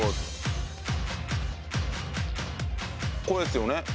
これですよね